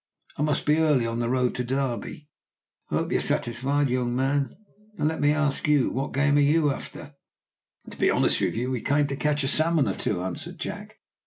I must be early on the road to Derby. I hope you are satisfied, young man. And now let me ask you what game you are after?" "To be honest with you, we came out to catch a salmon or two," answered Jack.